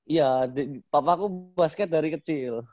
iya papa aku basket dari kecil